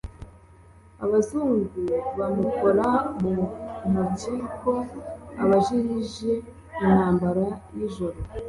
Abazungu bamukora mu ntokiKo abakijije intambara y' ijoro !